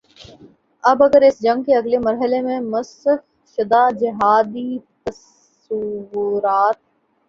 اب اگر اس جنگ کے اگلے مرحلے میں مسخ شدہ جہادی تصورات